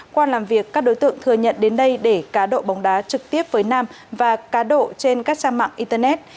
qua làm việc các đối tượng thừa nhận đến đây để cá độ bóng đá trực tiếp với nam và cá độ trên các trang mạng internet